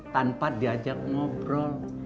tanpa diajak ngobrol